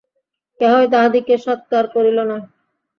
কেহই তাহাদিগকে সৎকার করিল না।